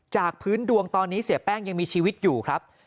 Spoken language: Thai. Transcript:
พื้นดวงตอนนี้เสียแป้งยังมีชีวิตอยู่ครับ